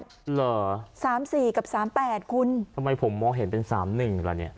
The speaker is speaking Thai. เหรอสามสี่กับสามแปดคุณทำไมผมมองเห็นเป็นสามหนึ่งล่ะเนี่ย